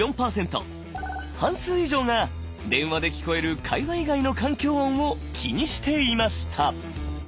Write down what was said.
半数以上が電話で聞こえる会話以外の環境音を気にしていました。